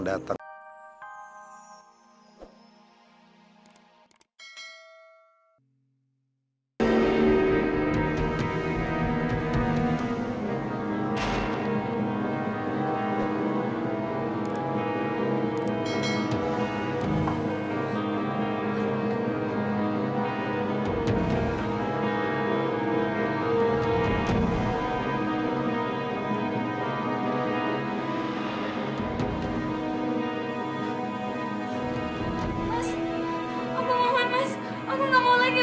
mas aku mau mandas